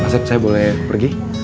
maset saya boleh pergi